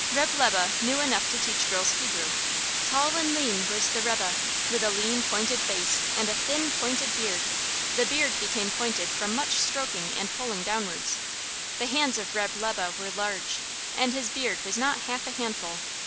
Reb' Lebe knew enough to teach girls Hebrew. Tall and lean was the rebbe, with a lean, pointed face and a thin, pointed beard. The beard became pointed from much stroking and pulling downwards. The hands of Reb' Lebe were large, and his beard was not half a handful.